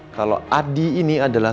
kalau adi ini adalah